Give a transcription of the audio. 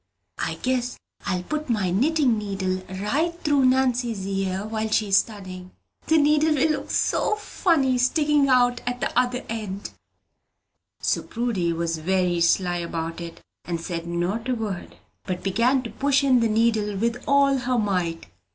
I guess I'll put my knitting needle right through Nannie's ear while she's a studyin'. The needle will look so funny stickin' out at the other end!" So Prudy was very sly about it, and said not a word, but began to push in the needle with all her might.